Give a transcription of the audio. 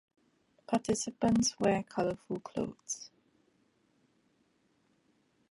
Participants wear colourful clothes.